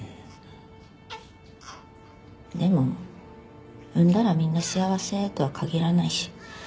でも産んだらみんな幸せとは限らないし。